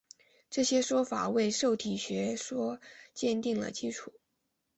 这些说法为受体学说奠定了基础。